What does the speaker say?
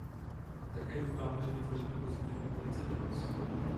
Také doufáme, že vytvoříme pozitivní precedens.